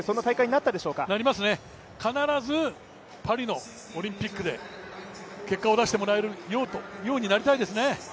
なりますね、必ずパリのオリンピックで結果を出してもらえるようになりたいですね。